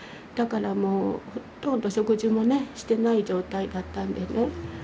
だからもうほとんど食事もねしてない状態だったんでね。